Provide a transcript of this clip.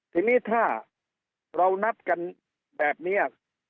ทีนี้ถ้าเรานับกันแบบนี้